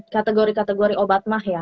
kategori kategori obat mah ya